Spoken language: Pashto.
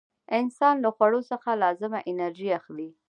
انسان له خوړو څخه لازمه انرژي اخلي.